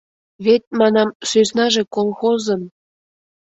Вет, манам, сӧснаже колхозын...